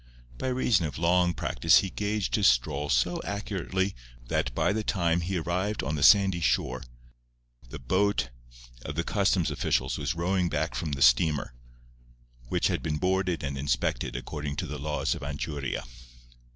By reason of long practice he gauged his stroll so accurately that by the time he arrived on the sandy shore the boat of the customs officials was rowing back from the steamer, which had been boarded and inspected according to the laws of Anchuria.